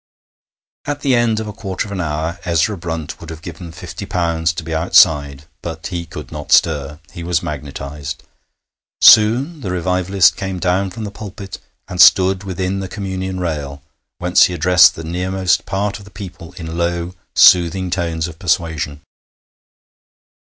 At the end of a quarter of an hour Ezra Brunt would have given fifty pounds to be outside, but he could not stir; he was magnetized. Soon the revivalist came down from the pulpit and stood within the Communion rail, whence he addressed the nearmost part of the people in low, soothing tones of persuasion.